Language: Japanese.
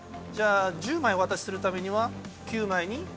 じゃあ１０枚お渡しするためには、９枚に。